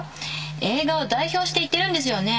映画を代表して行ってるんですよね？